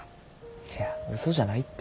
いやうそじゃないって。